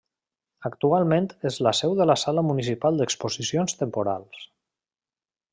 Actualment és la seu de la Sala Municipal d'Exposicions Temporals.